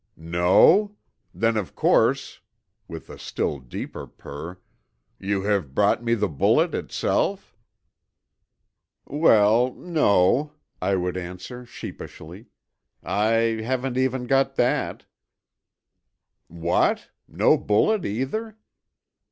"'No? Then, of course,' with a still deeper purr, 'you have brought me the bullet itself?' "'Well, no,' I would answer sheepishly, 'I haven't even got that.' "'What! No bullet either?